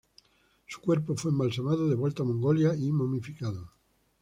Su cuerpo fue embalsamado, devuelto a Mongolia y momificado.